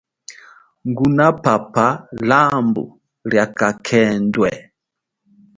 Ngunapapa lambu lia kakhendwe.